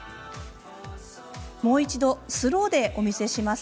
もう一度スローでお見せします。